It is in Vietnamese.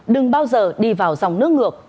đừng bao giờ đi vào dòng nước ngược